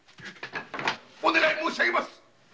お願い申し上げます。